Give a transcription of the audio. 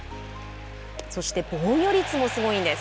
そして、防御率もすごいんです。